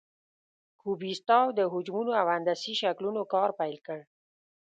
کوبیسټاو د حجمونو او هندسي شکلونو کار پیل کړ.